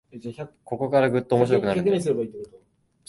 ここからぐっと面白くなるんだよ